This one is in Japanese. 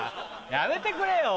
やめてくれよ。